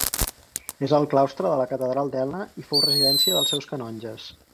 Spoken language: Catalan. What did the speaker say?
És el claustre de la catedral d'Elna i fou residència dels seus canonges.